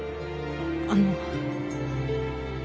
あの。